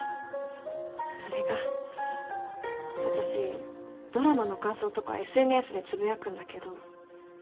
それが私ドラマの感想とかＳＮＳで呟くんだけど。